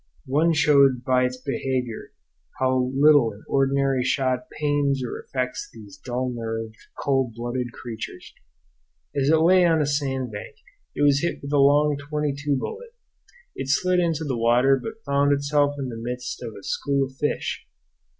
One showed by its behavior how little an ordinary shot pains or affects these dull nerved, cold blooded creatures. As it lay on a sand bank, it was hit with a long 22 bullet. It slid into the water but found itself in the midst of a school of fish.